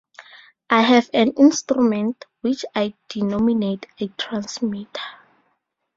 I have an instrument which I denominate a transmitter.